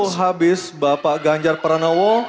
waktu habis bapak ganjar paranowo